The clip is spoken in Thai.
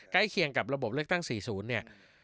ใกล้เคียงกับระบบเลือกตั้ง๔๐เนี่ย